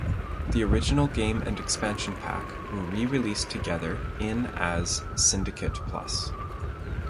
The original game and expansion pack were re-released together in as Syndicate Plus.